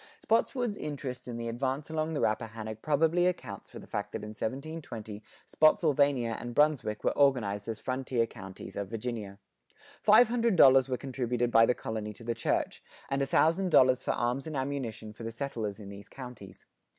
Spotswood's interest in the advance along the Rappahannock, probably accounts for the fact that in 1720 Spotsylvania and Brunswick were organized as frontier counties of Virginia.[91:1] Five hundred dollars were contributed by the colony to the church, and a thousand dollars for arms and ammunition for the settlers in these counties.